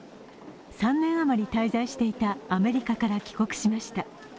３年余り滞在していたアメリカから帰国しました。